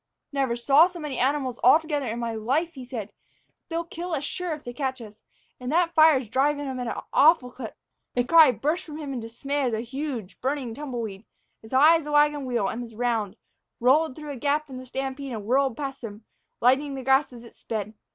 "Never saw so many animals all together in my life," he said. "They'll kill us sure if they catch us. And that fire's drivin' 'em at an awful clip. My God!" The cry burst from him in dismay as a huge, burning tumbleweed, as high as a wagon wheel and as round, rolled through a gap in the stampede and whirled past them, lighting the grass as it sped.